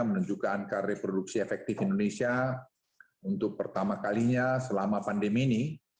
menunjukkan angka reproduksi efektif indonesia untuk pertama kalinya selama pandemi ini